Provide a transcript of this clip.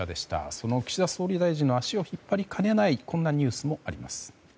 その岸田総理の足を引っ張りかねないこんなニュースもあります。